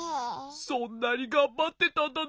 そんなにがんばってたんだね。